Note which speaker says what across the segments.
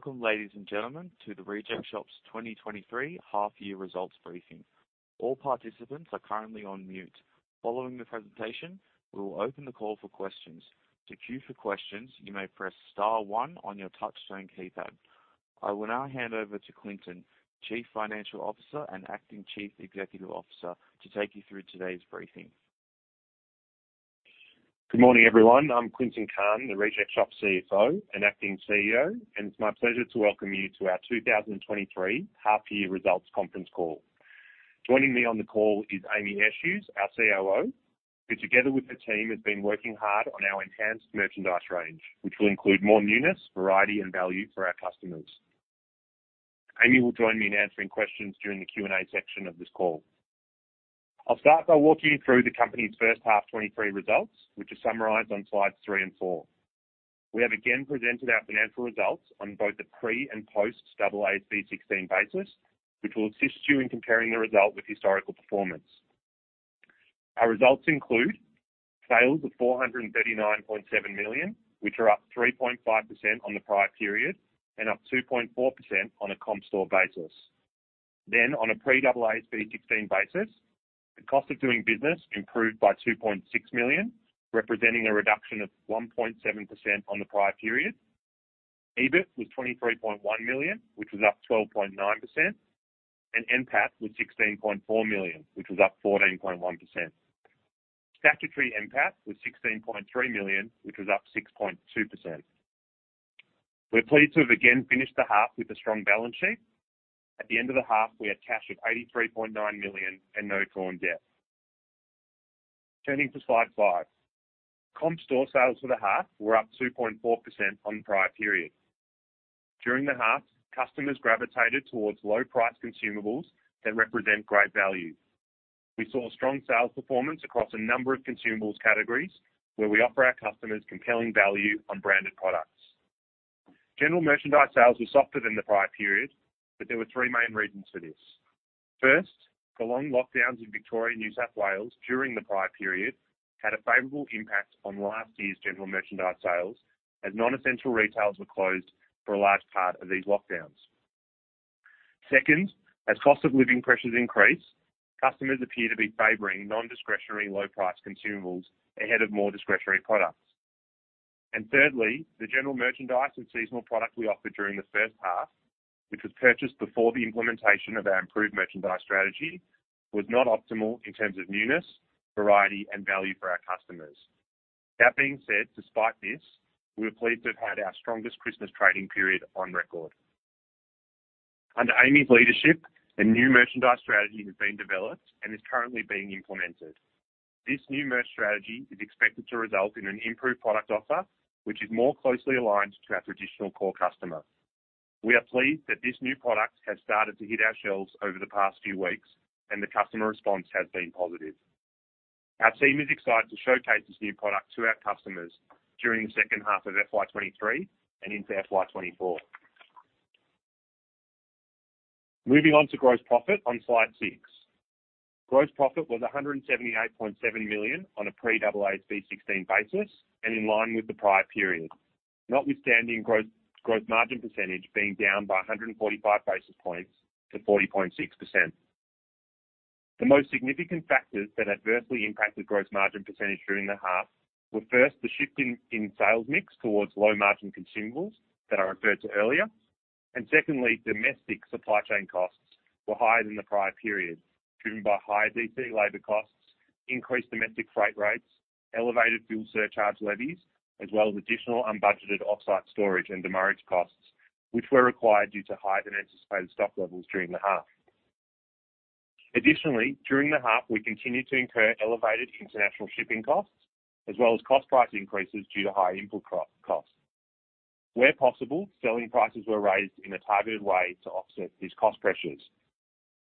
Speaker 1: Welcome, ladies and gentlemen to The Reject Shop's 2023 half-year results briefing. All participants are currently on mute. Following the presentation, we will open the call for questions. To queue for questions, you may press star one on your touchtone keypad. I will now hand over to Clinton, Chief Financial Officer and acting Chief Executive Officer, to take you through today's briefing.
Speaker 2: Good morning, everyone. I'm Clinton Cahn, The Reject Shop CFO and acting CEO, and it's my pleasure to welcome you to our 2023 half-year results conference call. Joining me on the call is Amy Eshuys, our COO, who together with the team, has been working hard on our enhanced merchandise range, which will include more newness, variety, and value for our customers. Amy will join me in answering questions during the Q&A section of this call. I'll start by walking you through the company's first half 2023 results, which are summarized on slides 3 and 4. We have again presented our financial results on both the pre and post AASB 16 basis, which will assist you in comparing the result with historical performance. Our results include sales of 439.7 million, which are up 3.5% on the prior period and up 2.4% on a comp store basis. On a pre-AASB 16 basis, the cost of doing business improved by 2.6 million, representing a reduction of 1.7% on the prior period. EBIT was 23.1 million, which was up 12.9%, and NPAT was 16.4 million, which was up 14.1%. Statutory NPAT was 16.3 million, which was up 6.2%. We're pleased to have again finished the half with a strong balance sheet. At the end of the half we had cash of 83.9 million and no foreign debt. Turning to slide 5. Comp store sales for the half were up 2.4% on the prior period. During the half, customers gravitated towards low price consumables that represent great value. We saw strong sales performance across a number of consumables categories where we offer our customers compelling value on branded products. General merchandise sales were softer than the prior period. There were three main reasons for this. First, prolonged lockdowns in Victoria and New South Wales during the prior period had a favorable impact on last year's general merchandise sales as non-essential retails were closed for a large part of these lockdowns. Second, as cost of living pressures increase, customers appear to be favoring non-discretionary low price consumables ahead of more discretionary products. Thirdly, the general merchandise and seasonal product we offered during the first half, which was purchased before the implementation of our improved merchandise strategy, was not optimal in terms of newness, variety, and value for our customers. That being said, despite this, we were pleased to have had our strongest Christmas trading period on record. Under Amy's leadership, a new merchandise strategy has been developed and is currently being implemented. This new merch strategy is expected to result in an improved product offer, which is more closely aligned to our traditional core customer. We are pleased that this new product has started to hit our shelves over the past few weeks and the customer response has been positive. Our team is excited to showcase this new product to our customers during the second half of FY 2023 and into FY 2024. Moving on to gross profit on slide 6. Gross profit was 178.7 million on a pre-AASB 16 basis and in line with the prior period. Notwithstanding gross margin percentage being down by 145 basis points to 40.6%. The most significant factors that adversely impacted gross margin percentage during the half were, first, the shift in sales mix towards low-margin consumables that I referred to earlier. Secondly, domestic supply chain costs were higher than the prior period, driven by higher DC labor costs, increased domestic freight rates, elevated fuel surcharge levies, as well as additional unbudgeted off-site storage and demurrage costs, which were required due to higher than anticipated stock levels during the half. Additionally, during the half, we continued to incur elevated international shipping costs as well as cost price increases due to high input costs. Where possible, selling prices were raised in a targeted way to offset these cost pressures.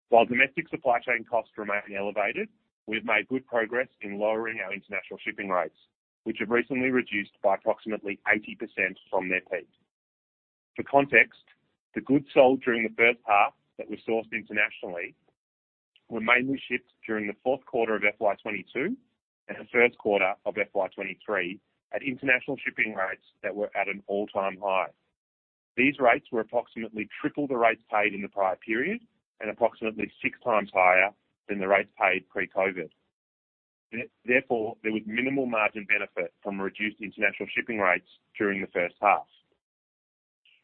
Speaker 2: While domestic supply chain costs remain elevated, we've made good progress in lowering our international shipping rates, which have recently reduced by approximately 80% from their peak. For context, the goods sold during the first half that were sourced internationally were mainly shipped during the fourth quarter of FY 2022 and the first quarter of FY 2023 at international shipping rates that were at an all-time high. These rates were approximately triple the rates paid in the prior period and approximately six times higher than the rates paid pre-COVID. Therefore, there was minimal margin benefit from reduced international shipping rates during the first half.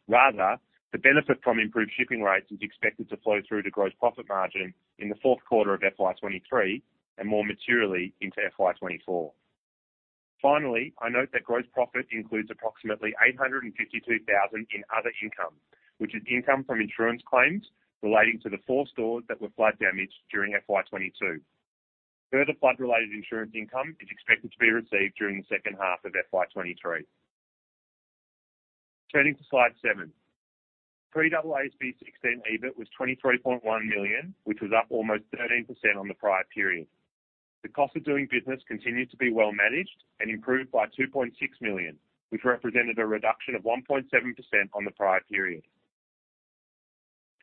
Speaker 2: Rather, the benefit from improved shipping rates is expected to flow through to gross profit margin in the fourth quarter of FY 2023 and more materially into FY 2024. Finally, I note that gross profit includes approximately 852,000 in other income, which is income from insurance claims relating to the four stores that were flood damaged during FY 2022. Further flood-related insurance income is expected to be received during the second half of FY 2023. Turning to slide 7. Pre-AASB 16 EBIT was 23.1 million, which was up almost 13% on the prior period. The cost of doing business continued to be well managed and improved by 2.6 million, which represented a reduction of 1.7% on the prior period.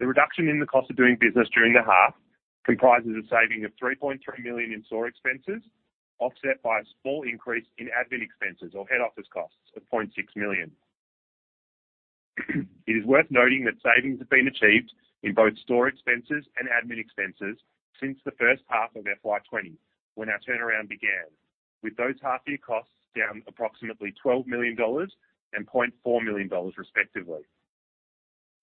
Speaker 2: The reduction in the cost of doing business during the half comprises a saving of 3.3 million in store expenses, offset by a small increase in admin expenses or head office costs of 0.6 million. It is worth noting that savings have been achieved in both store expenses and admin expenses since the first half of FY 2020, when our turnaround began. With those half year costs down approximately 12 million dollars and 0.4 million dollars respectively.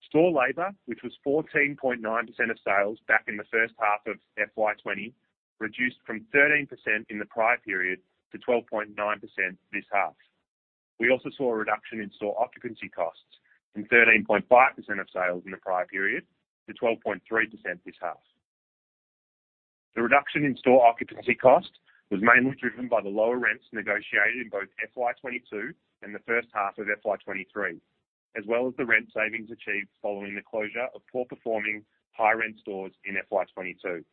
Speaker 2: Store labor, which was 14.9% of sales back in the first half of FY 2020, reduced from 13% in the prior period to 12.9% this half. We also saw a reduction in store occupancy costs from 13.5% of sales in the prior period to 12.3% this half. The reduction in store occupancy cost was mainly driven by the lower rents negotiated in both FY 2022 and the first half of FY 2023, as well as the rent savings achieved following the closure of poor performing high rent stores in FY 2022.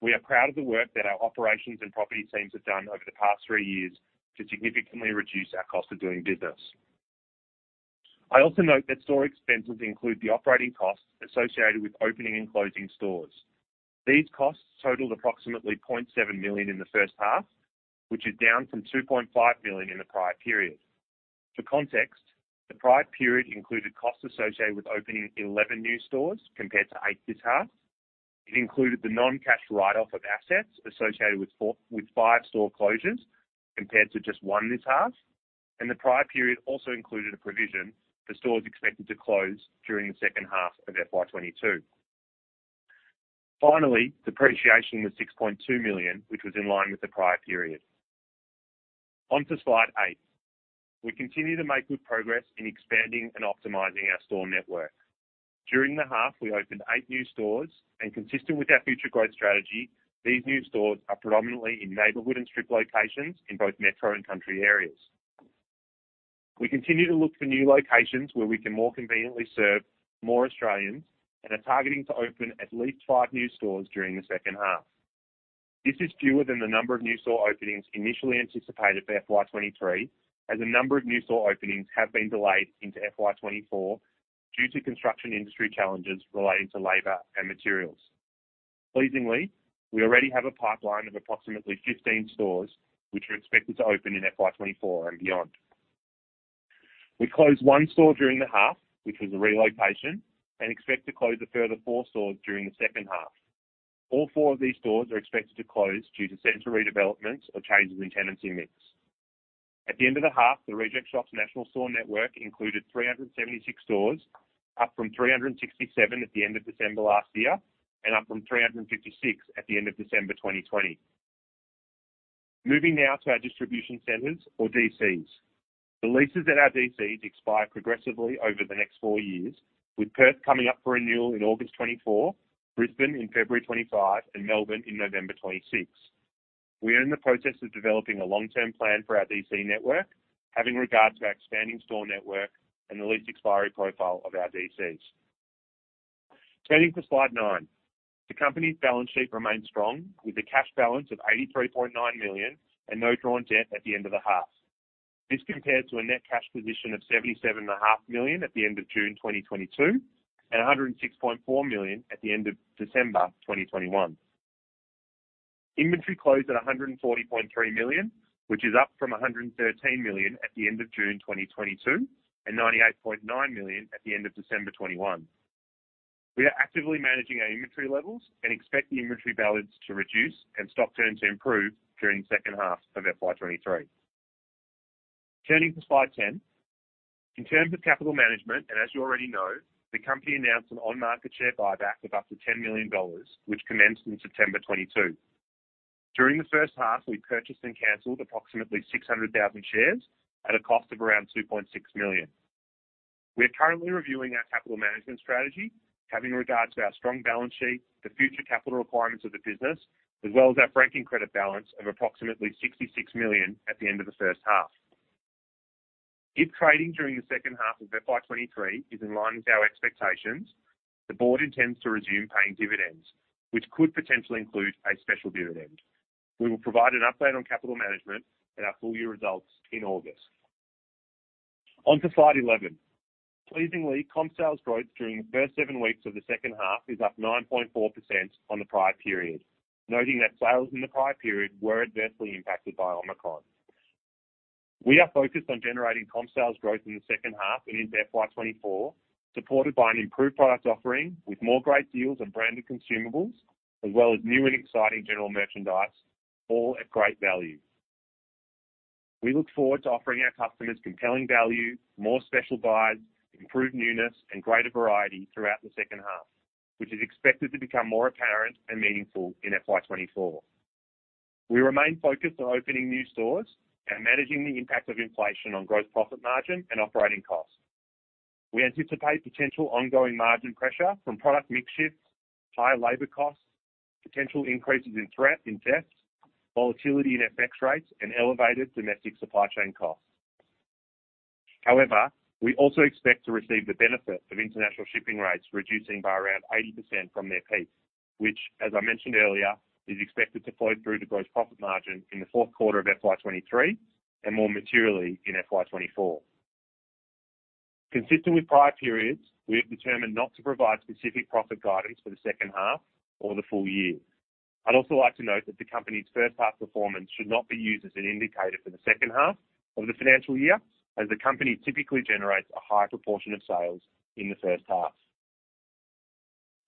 Speaker 2: We are proud of the work that our operations and property teams have done over the past three years to significantly reduce our cost of doing business. I also note that store expenses include the operating costs associated with opening and closing stores. These costs totaled approximately 0.7 million in the first half, which is down from 2.5 million in the prior period. For context, the prior period included costs associated with opening 11 new stores compared to eight this half. It included the non-cash write-off of assets associated with five store closures, compared to just one this half. The prior period also included a provision for stores expected to close during the second half of FY 2022. Finally, depreciation was 6.2 million, which was in line with the prior period. On to slide 8. We continue to make good progress in expanding and optimizing our store network. During the half, we opened eight new stores and consistent with our future growth strategy, these new stores are predominantly in neighborhood and strip locations in both metro and country areas. We continue to look for new locations where we can more conveniently serve more Australians and are targeting to open at least five new stores during the second half. This is fewer than the number of new store openings initially anticipated for FY 2023, as a number of new store openings have been delayed into FY 2024 due to construction industry challenges relating to labor and materials. Pleasingly, we already have a pipeline of approximately 15 stores which are expected to open in FY 2024 and beyond. We closed one store during the half, which was a relocation, and expect to close a further four stores during the second half. All four of these stores are expected to close due to center redevelopments or changes in tenancy mix. At the end of the half, The Reject Shop's national store network included 376 stores, up from 367 at the end of December last year, and up from 356 at the end of December 2020. Moving now to our distribution centers or DCs. The leases at our DCs expire progressively over the next four years, with Perth coming up for renewal in August 2024, Brisbane in February 2025, and Melbourne in November 2026. We are in the process of developing a long-term plan for our DC network, having regard to our expanding store network and the lease expiry profile of our DCs. Turning to slide 9. The company's balance sheet remains strong, with a cash balance of 83.9 million and no drawn debt at the end of the half. This compared to a net cash position of 77.5 million at the end of June 2022, and 106.4 million at the end of December 2021. Inventory closed at 140.3 million, which is up from 113 million at the end of June 2022, and 98.9 million at the end of December 2021. We are actively managing our inventory levels and expect the inventory balance to reduce and stock turn to improve during the second half of FY 2023. Turning to slide 10. In terms of capital management, as you already know, the company announced an on-market share buyback of up to 10 million dollars, which commenced in September 2022. During the first half, we purchased and canceled approximately 600,000 shares at a cost of around 2.6 million. We are currently reviewing our capital management strategy, having regard to our strong balance sheet, the future capital requirements of the business, as well as our franking credit balance of approximately 66 million at the end of the first half. If trading during the second half of FY 2023 is in line with our expectations, the board intends to resume paying dividends, which could potentially include a special dividend. We will provide an update on capital management in our full year results in August. On to slide 11. Pleasingly, comp sales growth during the first seven weeks of the second half is up 9.4% on the prior period, noting that sales in the prior period were adversely impacted by Omicron. We are focused on generating comp sales growth in the second half and into FY 2024, supported by an improved product offering with more great deals on branded consumables, as well as new and exciting general merchandise, all at great value. We look forward to offering our customers compelling value, more special buys, improved newness, and greater variety throughout the second half. Which is expected to become more apparent and meaningful in FY 2024. We remain focused on opening new stores and managing the impact of inflation on gross profit margin and operating costs. We anticipate potential ongoing margin pressure from product mix shifts, higher labor costs, potential increases in debt, volatility in FX rates, and elevated domestic supply chain costs. We also expect to receive the benefit of international shipping rates reducing by around 80% from their peak. Which, as I mentioned earlier, is expected to flow through to gross profit margin in the fourth quarter of FY 2023 and more materially in FY 2024. Consistent with prior periods, we have determined not to provide specific profit guidance for the second half or the full year. I'd also like to note that the company's first half performance should not be used as an indicator for the second half of the financial year as the company typically generates a higher proportion of sales in the first half.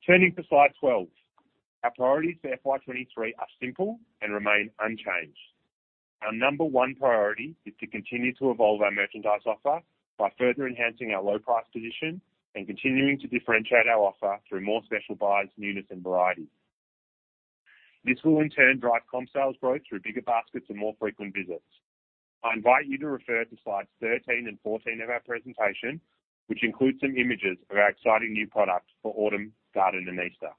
Speaker 2: Turning to slide 12. Our priorities for FY 2023 are simple and remain unchanged. Our number one priority is to continue to evolve our merchandise offer by further enhancing our low price position and continuing to differentiate our offer through more special buys, newness and variety. This will in turn drive comp sales growth through bigger baskets and more frequent visits. I invite you to refer to slides 13 and 14 of our presentation, which includes some images of our exciting new products for autumn, garden and Easter.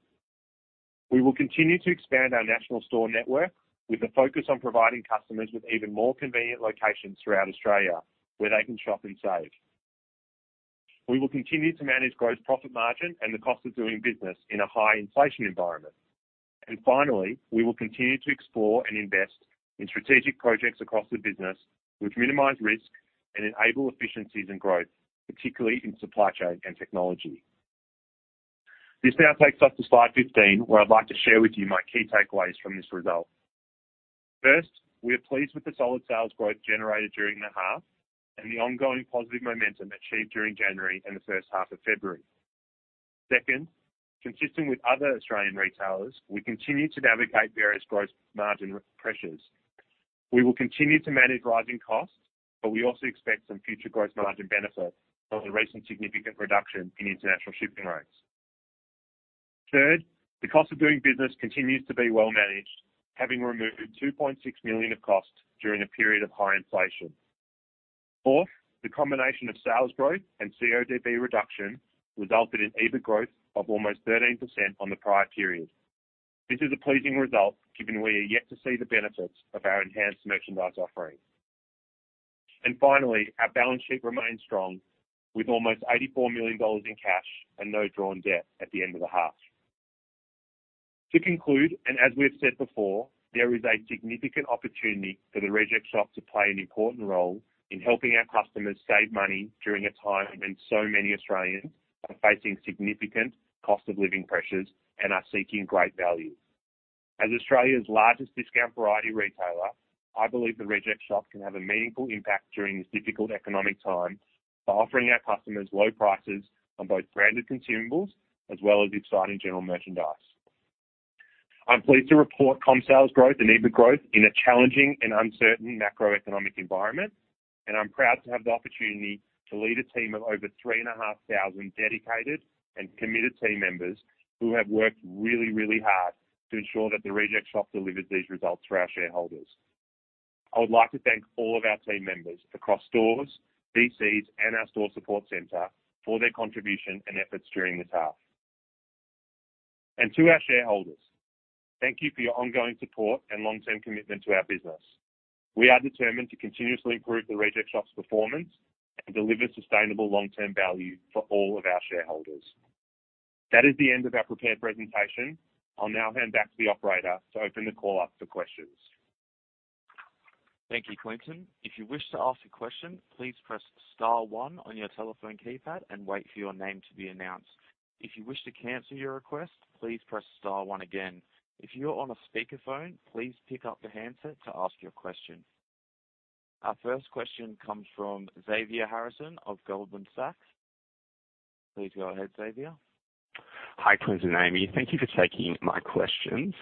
Speaker 2: We will continue to expand our national store network with a focus on providing customers with even more convenient locations throughout Australia where they can shop and save. We will continue to manage gross profit margin and the cost of doing business in a high inflation environment. Finally, we will continue to explore and invest in strategic projects across the business which minimize risk and enable efficiencies and growth, particularly in supply chain and technology. This now takes us to slide 15, where I'd like to share with you my key takeaways from this result. First, we are pleased with the solid sales growth generated during the half and the ongoing positive momentum achieved during January and the first half of February. Second, consistent with other Australian retailers, we continue to navigate various gross margin pressures. We will continue to manage rising costs. We also expect some future gross margin benefits from the recent significant reduction in international shipping rates. Third, the cost of doing business continues to be well managed. Having removed 2.6 million of costs during a period of high inflation. Fourth, the combination of sales growth and CODB reduction resulted in EBIT growth of almost 13% on the prior period. This is a pleasing result, given we are yet to see the benefits of our enhanced merchandise offering. Finally, our balance sheet remains strong with almost 84 million dollars in cash and no drawn debt at the end of the half. To conclude, and as we have said before, there is a significant opportunity for The Reject Shop to play an important role in helping our customers save money during a time when so many Australians are facing significant cost of living pressures and are seeking great value. As Australia's largest discount variety retailer, I believe The Reject Shop can have a meaningful impact during this difficult economic time by offering our customers low prices on both branded consumables as well as exciting general merchandise. I'm pleased to report comp sales growth and EBIT growth in a challenging and uncertain macroeconomic environment. I'm proud to have the opportunity to lead a team of over 3,500 dedicated and committed team members who have worked really, really hard to ensure that The Reject Shop delivers these results for our shareholders. I would like to thank all of our team members across stores, DCs, and our store support center for their contribution and efforts during this half. To our shareholders, thank you for your ongoing support and long-term commitment to our business. We are determined to continuously improve The Reject Shop's performance and deliver sustainable long-term value for all of our shareholders. That is the end of our prepared presentation. I'll now hand back to the operator to open the call up for questions.
Speaker 1: Thank you, Clinton. If you wish to ask a question, please press star one on your telephone keypad and wait for your name to be announced. If you wish to cancel your request, please press star one again. If you're on a speakerphone, please pick up the handset to ask your question. Our first question comes from Xavier Harrison of Goldman Sachs. Please go ahead, Xavier.
Speaker 3: Hi, Clinton and Amy, thank you for taking my questions.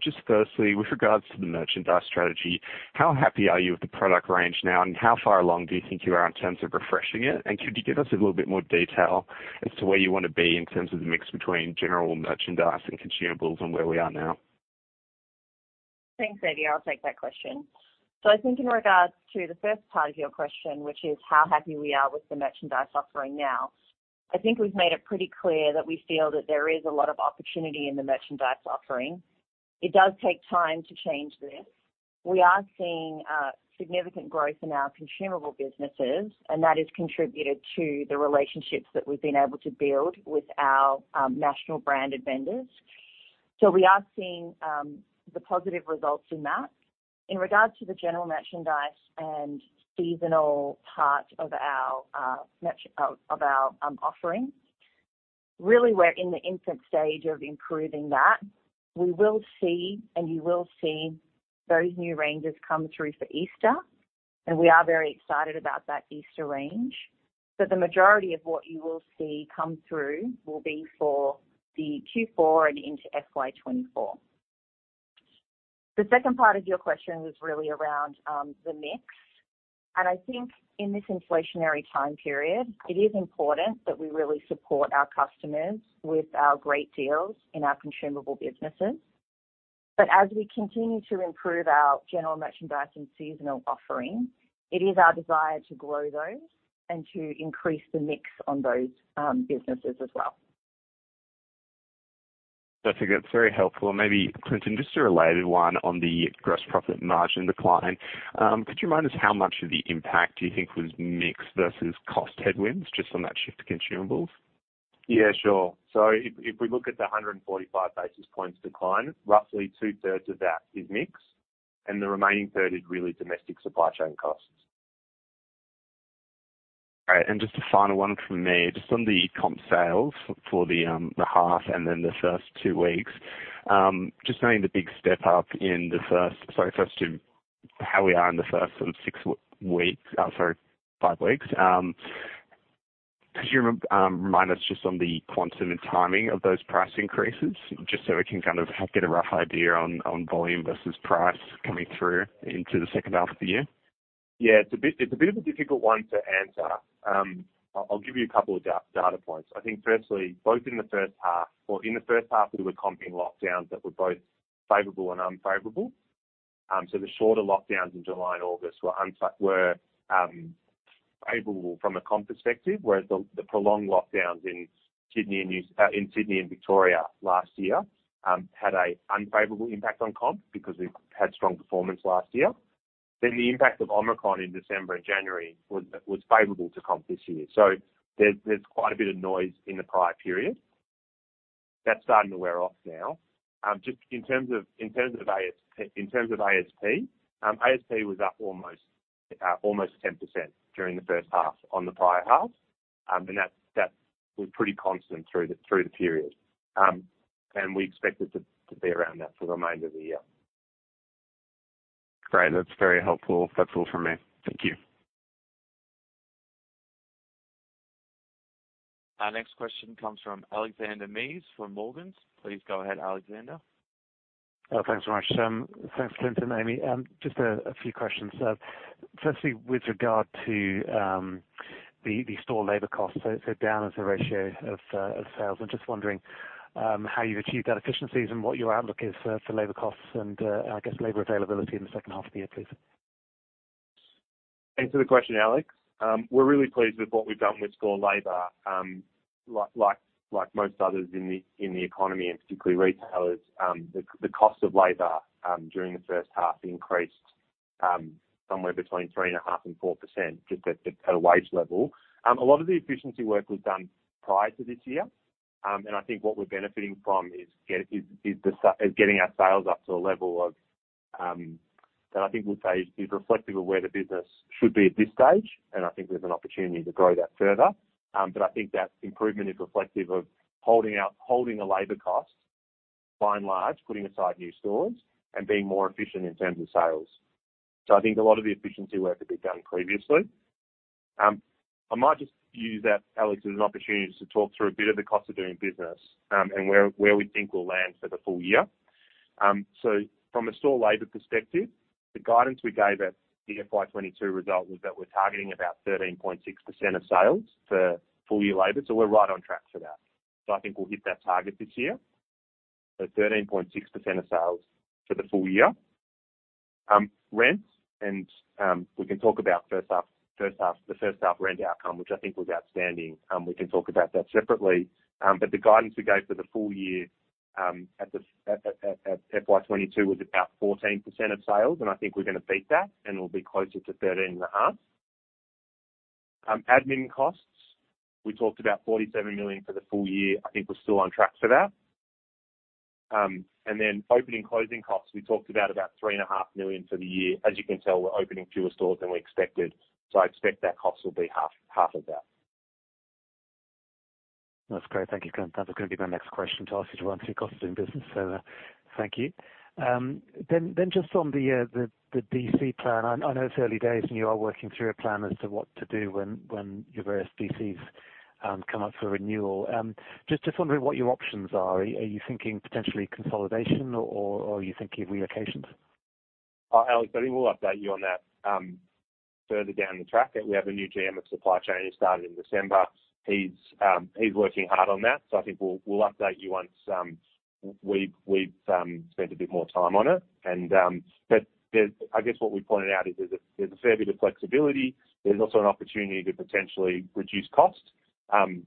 Speaker 3: Just firstly, with regards to the merchandise strategy, how happy are you with the product range now, and how far along do you think you are in terms of refreshing it? Could you give us a little bit more detail as to where you wanna be in terms of the mix between general merchandise and consumables and where we are now?
Speaker 4: Thanks, Xavier. I'll take that question. I think in regards to the first part of your question, which is how happy we are with the merchandise offering now, I think we've made it pretty clear that we feel that there is a lot of opportunity in the merchandise offering. It does take time to change this. We are seeing significant growth in our consumable businesses, and that has contributed to the relationships that we've been able to build with our national branded vendors. We are seeing the positive results in that. In regards to the general merchandise and seasonal part of our offerings, really, we're in the infant stage of improving that. We will see, and you will see those new ranges come through for Easter, and we are very excited about that Easter range. The majority of what you will see come through will be for the Q4 and into FY 2024. The second part of your question was really around the mix, and I think in this inflationary time period, it is important that we really support our customers with our great deals in our consumable businesses. As we continue to improve our general merchandise and seasonal offerings, it is our desire to grow those and to increase the mix on those businesses as well.
Speaker 3: I think that's very helpful. Maybe Clinton, just a related one on the gross profit margin decline. Could you remind us how much of the impact you think was mix versus cost headwinds just on that shift to consumables?
Speaker 2: Yeah, sure. If we look at the 145 basis points decline, roughly two-thirds of that is mix, and the remaining third is really domestic supply chain costs.
Speaker 3: All right. Just a final one from me. Just on the eCom sales for the half and then the first two weeks. Just knowing the big step up in the first five weeks. Could you remind us just on the quantum and timing of those price increases, just so we can kind of get a rough idea on volume versus price coming through into the second half of the year?
Speaker 2: Yeah, it's a bit of a difficult one to answer. I'll give you a couple of data points. I think firstly, in the first half, we were comping lockdowns that were both favorable and unfavorable. The shorter lockdowns in July and August were favorable from a comp perspective, whereas the prolonged lockdowns in Sydney and Victoria last year had a unfavorable impact on comp because we had strong performance last year. The impact of Omicron in December and January was favorable to comp this year. There's quite a bit of noise in the prior period. That's starting to wear off now. Just in terms of ASP was up almost 10% during the first half on the prior half. That's been pretty constant through the period. We expect it to be around that for the remainder of the year.
Speaker 3: Great. That's very helpful. That's all from me. Thank you.
Speaker 1: Our next question comes from Alexander Mees from Morgans. Please go ahead, Alexander.
Speaker 5: Thanks very much. Thanks, Clinton, Amy. Just a few questions. Firstly, with regard to the store labor costs, down as a ratio of sales. I'm just wondering how you've achieved that efficiencies and what your outlook is for labor costs and I guess labor availability in the second half of the year, please?
Speaker 2: Thanks for the question, Alex. We're really pleased with what we've done with store labor. Like most others in the economy and particularly retailers, the cost of labor during the first half increased somewhere between 3.5% and 4% just at a wage level. A lot of the efficiency work was done prior to this year. I think what we're benefiting from is getting our sales up to a level that I think we'd say is reflective of where the business should be at this stage. I think there's an opportunity to grow that further. I think that improvement is reflective of holding the labor costs by and large, putting aside new stores and being more efficient in terms of sales. I might just use that, Alex, as an opportunity to talk through a bit of the CODB and where we think we'll land for the full year. From a store labor perspective, the guidance we gave at the FY 2022 result was that we're targeting about 13.6% of sales for full-year labor. We're right on track for that. I think we'll hit that target this year. 13.6% of sales for the full year. Rent, we can talk about first half, the first half rent outcome, which I think was outstanding. We can talk about that separately. The guidance we gave for the full year, at FY 2022 was about 14% of sales, and I think we're gonna beat that and we'll be closer to 13.5%. Admin costs, we talked about 47 million for the full year. I think we're still on track for that. Opening closing costs. We talked about 3.5 million for the year. As you can tell, we're opening fewer stores than we expected. I expect that costs will be half of that.
Speaker 5: That's great. Thank you. That was gonna be my next question to ask you to run through costs in business. Thank you. Then just on the the DC plan, I know it's early days and you are working through a plan as to what to do when your various DCs come up for renewal. Just wondering what your options are. Are you thinking potentially consolidation or are you thinking relocations?
Speaker 2: Alex, I think we'll update you on that further down the track. We have a new GM of supply chain who started in December. He's working hard on that, so I think we'll update you once we've spent a bit more time on it. I guess what we pointed out is there's a fair bit of flexibility. There's also an opportunity to potentially reduce cost in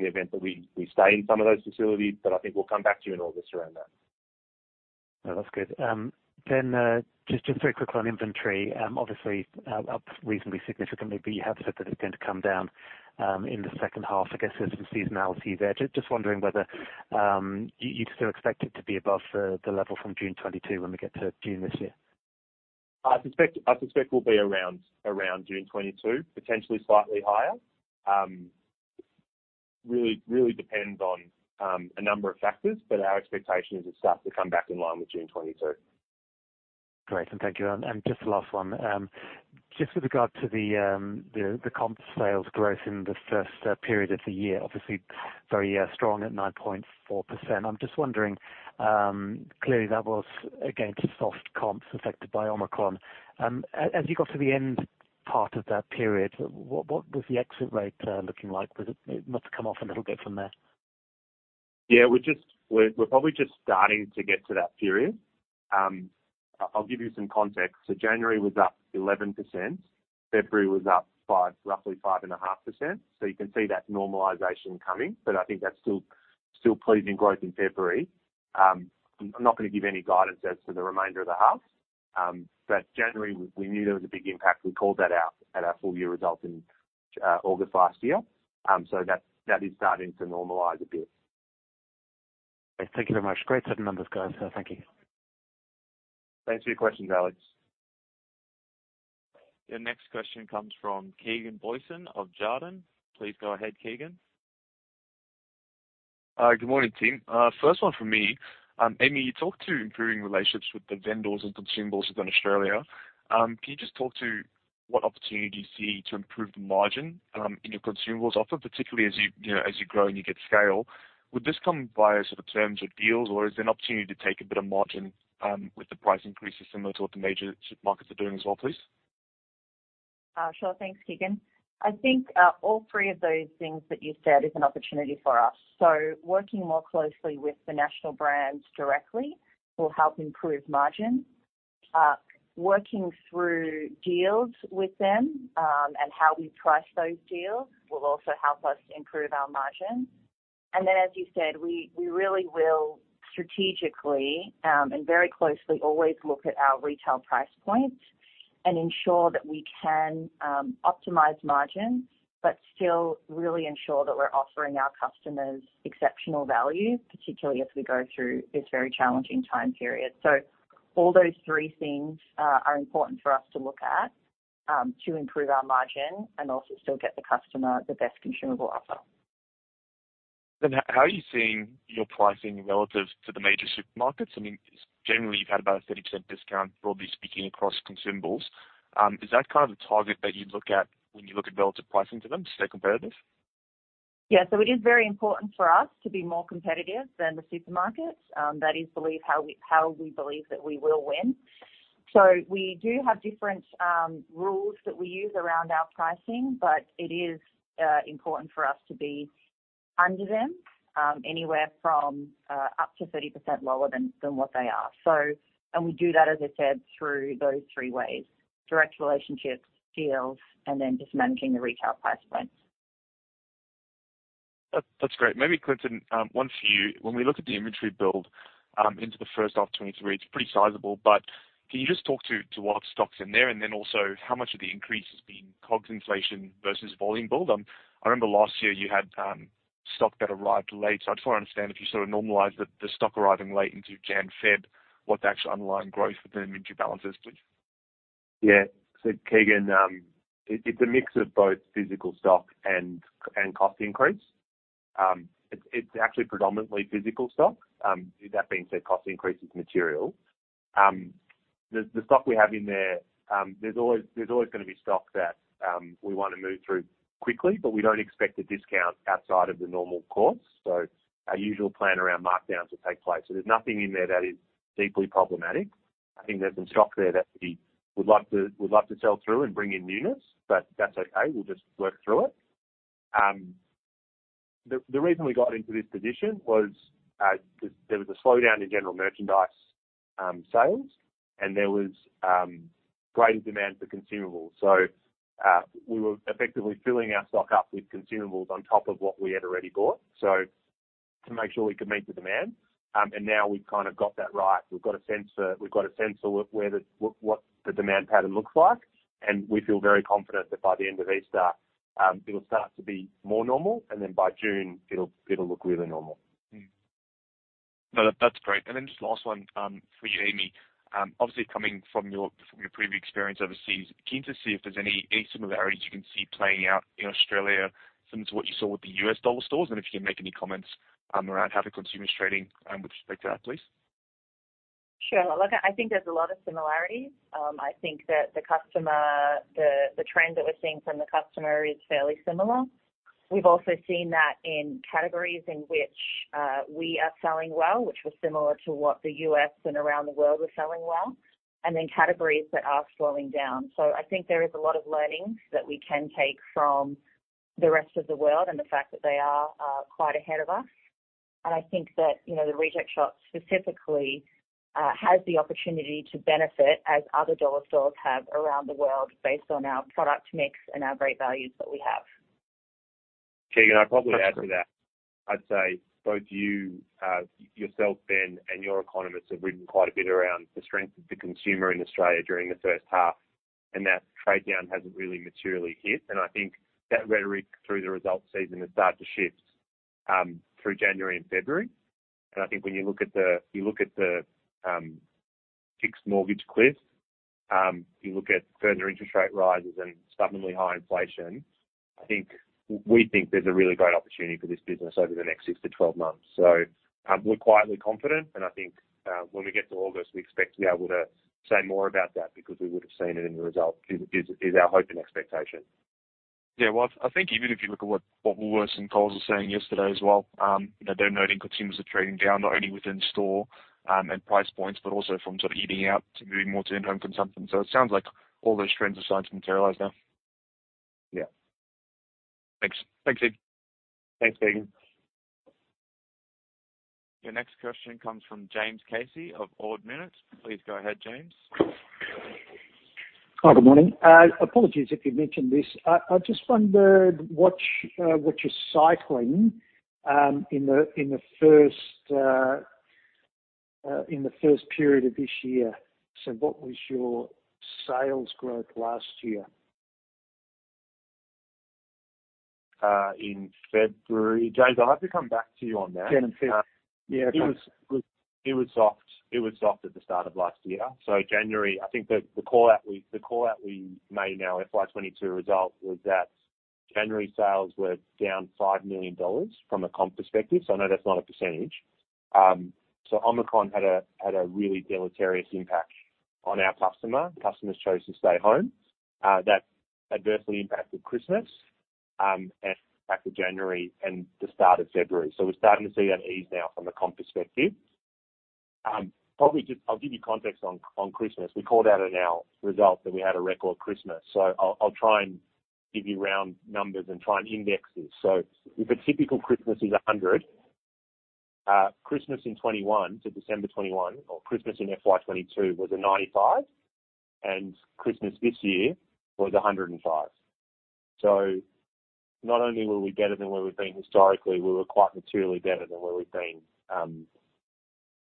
Speaker 2: the event that we stay in some of those facilities, but I think we'll come back to you in August around that.
Speaker 5: No, that's good. Just very quickly on inventory, obviously, up reasonably significantly, but you have said that it's going to come down in the second half. I guess there's some seasonality there. Just wondering whether you'd still expect it to be above the level from June 2022 when we get to June this year.
Speaker 2: I suspect we'll be around June 2022, potentially slightly higher. really depends on a number of factors, but our expectation is it starts to come back in line with June 2022.
Speaker 5: Great. Thank you. Just the last one, just with regard to the, the comp sales growth in the first period of the year, obviously very strong at 9.4%. I'm just wondering, clearly that was against soft comps affected by Omicron. As you got to the end part of that period, what was the exit rate looking like? It must have come off a little bit from there.
Speaker 2: Yeah. We're probably just starting to get to that period. I'll give you some context. January was up 11%. February was up 5%, roughly 5.5%. You can see that normalization coming. I think that's still pleasing growth in February. I'm not gonna give any guidance as to the remainder of the half. January, we knew there was a big impact. We called that out at our full year results in August last year. That is starting to normalize a bit.
Speaker 5: Thank you very much. Great set of numbers, guys. Thank you.
Speaker 2: Thanks for your questions, Alex.
Speaker 1: Your next question comes from Keegan Booysen of Jarden. Please go ahead, Keegan.
Speaker 6: Good morning, team. First one from me. Amy, you talked to improving relationships with the vendors and consumables within Australia. Can you just talk to what opportunity you see to improve the margin in your consumables offer, particularly as you know, as you grow and you get scale? Would this come via sort of terms or deals, or is there an opportunity to take a bit of margin with the price increases similar to what the major supermarkets are doing as well, please?
Speaker 4: Sure. Thanks, Keegan. I think all three of those things that you said is an opportunity for us. Working more closely with the national brands directly will help improve margin. Working through deals with them, and how we price those deals will also help us improve our margin. As you said, we really will strategically and very closely always look at our retail price points and ensure that we can optimize margin, but still really ensure that we're offering our customers exceptional value, particularly as we go through this very challenging time period. All those three things are important for us to look at to improve our margin and also still get the customer the best consumable offer.
Speaker 6: How are you seeing your pricing relative to the major supermarkets? I mean, generally, you've had about a 30% discount, broadly speaking, across consumables. Is that kind of the target that you'd look at when you look at relative pricing to them to stay competitive?
Speaker 4: Yeah. It is very important for us to be more competitive than the supermarkets. We believe that we will win. We do have different rules that we use around our pricing, but it is important for us to be under them, anywhere from up to 30% lower than what they are. We do that, as I said, through those three ways, direct relationships, deals, and then just managing the retail price points.
Speaker 6: That's great. Maybe Clinton, one for you. When we look at the inventory build into the first of 2023, it's pretty sizable, but can you just talk to what stock's in there and then also how much of the increase has been COGS inflation versus volume build? I remember last year you had stock that arrived late. I just want to understand if you sort of normalize the stock arriving late into January, February, what the actual underlying growth of the inventory balance is, please.
Speaker 2: Keegan, it's a mix of both physical stock and cost increase. It's actually predominantly physical stock. That being said, cost increase is material. The stock we have in there's always gonna be stock that we wanna move through quickly, but we don't expect a discount outside of the normal course. Our usual plan around markdowns will take place. There's nothing in there that is deeply problematic. I think there's some stock there that we would like to sell through and bring in newness, but that's okay. We'll just work through it. The reason we got into this position was, there was a slowdown in general merchandise sales, and there was greater demand for consumables. We were effectively filling our stock up with consumables on top of what we had already bought. To make sure we could meet the demand. Now we've kind of got that right. We've got a sense for where the what the demand pattern looks like. We feel very confident that by the end of Easter, it'll start to be more normal, and then by June it'll look really normal.
Speaker 6: No, that's great. Just last one, for you, Amy. Obviously, coming from your previous experience overseas, keen to see if there's any similarities you can see playing out in Australia similar to what you saw with the U.S. dollar stores. If you can make any comments, around how the consumer is trading, with respect to that, please.
Speaker 4: Sure. Look, I think there's a lot of similarities. I think that the trend that we're seeing from the customer is fairly similar. We've also seen that in categories in which we are selling well, which was similar to what the US and around the world were selling well, and then categories that are slowing down. I think there is a lot of learnings that we can take from the rest of the world and the fact that they are quite ahead of us. I think that, you know, The Reject Shop specifically has the opportunity to benefit as other dollar stores have around the world based on our product mix and our great values that we have.
Speaker 2: Keegan, I'd probably add to that.
Speaker 6: That's great.
Speaker 2: I'd say both you, yourself, Ben, and your economists have written quite a bit around the strength of the consumer in Australia during the first half, and that trade down hasn't really materially hit. I think that rhetoric through the results season has started to shift, through January and February. I think when you look at the fixed mortgage cliff, you look at further interest rate rises and stubbornly high inflation. We think there's a really great opportunity for this business over the next 6-12 months. We're quietly confident, and I think, when we get to August, we expect to be able to say more about that because we would have seen it in the results is our hope and expectation.
Speaker 6: Yeah. Well, I think even if you look at what Woolworths and Coles were saying yesterday as well, you know, they're noting consumers are trading down not only within store, and price points, but also from sort of eating out to moving more to in-home consumption. It sounds like all those trends are starting to materialize now.
Speaker 2: Yeah.
Speaker 6: Thanks. Thanks, Clinton.
Speaker 2: Thanks, Keegan.
Speaker 1: Your next question comes from James Casey of Ord Minnett. Please go ahead, James.
Speaker 7: Good morning. Apologies if you've mentioned this. I just wondered what you're cycling in the first period of this year. What was your sales growth last year?
Speaker 2: In February. James, I'll have to come back to you on that.
Speaker 7: January, yeah.
Speaker 2: It was soft. It was soft at the start of last year. January, I think the call out we made in our FY 2022 result was that January sales were down 5 million dollars from a comp perspective. I know that's not a percentage. Omicron had a really deleterious impact on our customer. Customers chose to stay home. That adversely impacted Christmas and impacted January and the start of February. We're starting to see that ease now from a comp perspective. Probably I'll give you context on Christmas. We called out in our results that we had a record Christmas. I'll try and give you round numbers and try and index this. If a typical Christmas is 100, Christmas in 2021 to December 2021 or Christmas in FY 2022 was 95, and Christmas this year was 105. Not only were we better than where we've been historically, we were quite materially better than where we've been,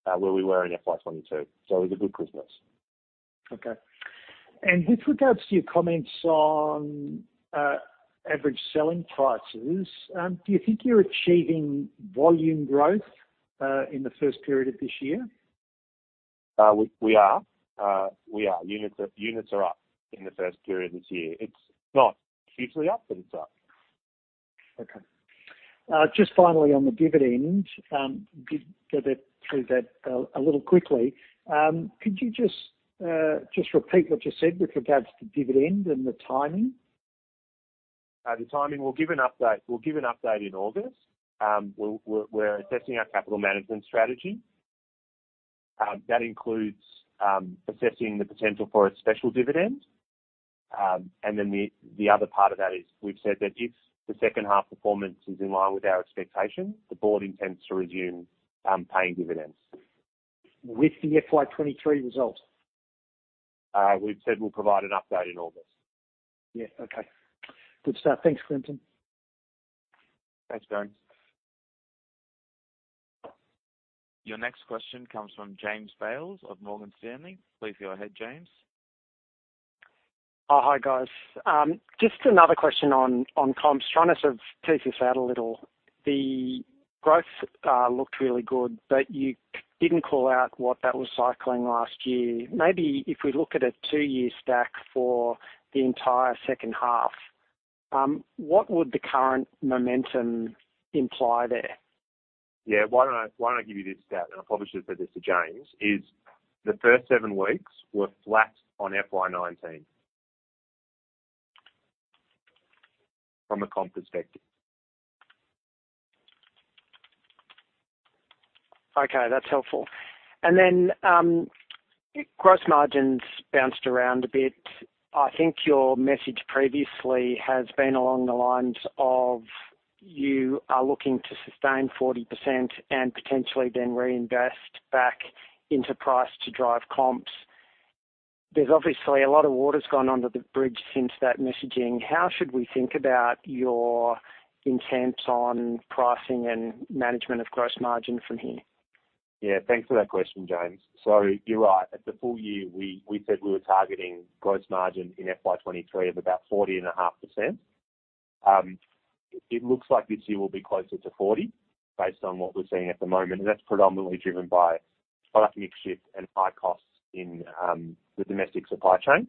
Speaker 2: where we were in FY 2022. It was a good Christmas.
Speaker 7: Okay. With regards to your comments on average selling prices, do you think you're achieving volume growth in the first period of this year?
Speaker 2: We are. We are. Units are up in the first period of this year. It's not hugely up, but it's up.
Speaker 7: Okay. Just finally on the dividend, did go bit through that a little quickly. Could you just repeat what you said with regards to dividend and the timing?
Speaker 2: The timing, we'll give an update. We'll give an update in August. We're assessing our capital management strategy, that includes assessing the potential for a special dividend. The other part of that is we've said that if the second half performance is in line with our expectations, the board intends to resume paying dividends.
Speaker 7: With the FY 2023 results?
Speaker 2: We've said we'll provide an update in August.
Speaker 7: Yeah. Okay. Good stuff. Thanks, Clinton.
Speaker 2: Thanks, Bernie.
Speaker 1: Your next question comes from James Bales of Morgan Stanley. Please go ahead, James.
Speaker 8: Hi, guys. Just another question on comps. Trying to sort of tease this out a little. The growth looked really good, but you didn't call out what that was cycling last year. Maybe if we look at a 2-year stack for the entire second half, what would the current momentum imply there?
Speaker 2: Yeah. Why don't I, why don't I give you this stat, and I probably should have read this to James, is the first seven weeks were flat on FY 2019. From a comp perspective.
Speaker 8: Okay, that's helpful. gross margins bounced around a bit. I think your message previously has been along the lines of you are looking to sustain 40% and potentially then reinvest back into price to drive comps. There's obviously a lot of water's gone under the bridge since that messaging. How should we think about your intents on pricing and management of gross margin from here?
Speaker 2: Thanks for that question, James. You're right. At the full year we said we were targeting gross margin in FY 2023 of about 40.5%. It looks like this year will be closer to 40 based on what we're seeing at the moment, and that's predominantly driven by product mix shift and high costs in the domestic supply chain,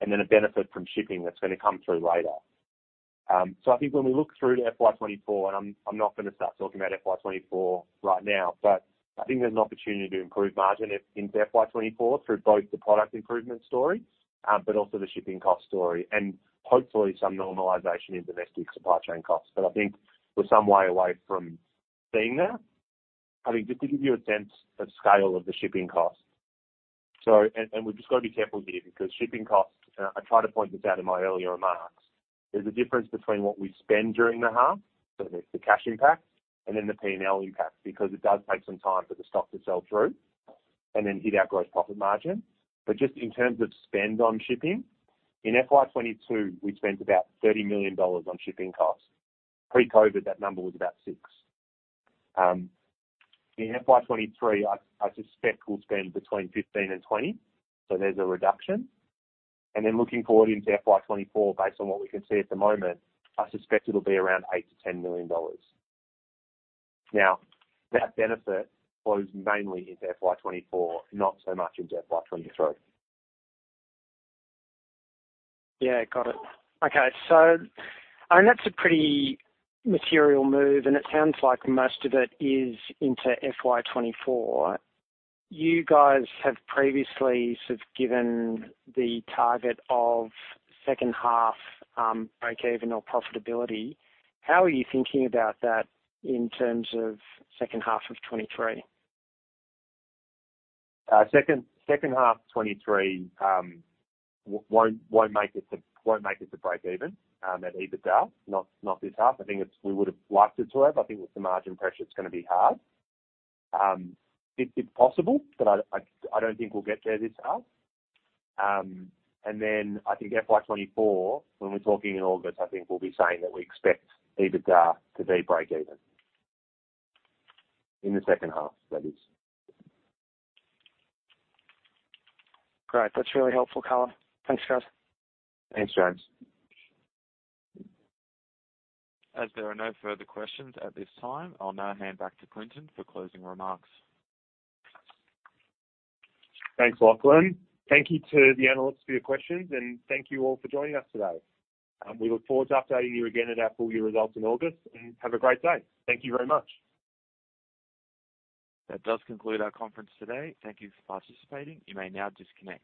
Speaker 2: and then a benefit from shipping that's gonna come through later. I think when we look through to FY 2024, and I'm not gonna start talking about FY 2024 right now, but I think there's an opportunity to improve margin in FY 2024 through both the product improvement story, but also the shipping cost story and hopefully some normalization in domestic supply chain costs. I think we're some way away from seeing that. I think just to give you a sense of scale of the shipping costs. We've just got to be careful here because shipping costs, and I tried to point this out in my earlier remarks, there's a difference between what we spend during the half, so there's the cash impact, and then the P&L impact because it does take some time for the stock to sell through and then hit our gross profit margin. Just in terms of spend on shipping, in FY 2022 we spent about 30 million dollars on shipping costs. Pre-COVID, that number was about 6 million. In FY 2023 I suspect we'll spend between 15 million-20 million, so there's a reduction. Looking forward into FY 2024, based on what we can see at the moment, I suspect it'll be around 8 million-10 million dollars. That benefit flows mainly into FY 2024, not so much into FY 2023.
Speaker 8: Yeah. Got it. Okay. I mean, that's a pretty material move and it sounds like most of it is into FY 2024. You guys have previously sort of given the target of second half, break even or profitability. How are you thinking about that in terms of second half of 2023?
Speaker 2: Second half 2023 won't make it to break even at EBITDA, not this half. I think we would have liked it to have. I think with the margin pressure it's gonna be hard. It's possible, but I don't think we'll get there this half. I think FY 2024, when we're talking in August, I think we'll be saying that we expect EBITDA to be break even. In the second half, that is.
Speaker 8: Great. That's really helpful, Cahn. Thanks, guys.
Speaker 2: Thanks, James.
Speaker 1: As there are no further questions at this time, I'll now hand back to Clinton for closing remarks.
Speaker 2: Thanks, operator. Thank you to the analysts for your questions, and thank you all for joining us today. We look forward to updating you again at our full year results in August, and have a great day. Thank you very much.
Speaker 1: That does conclude our conference today. Thank Thank you for participating. You may now disconnect.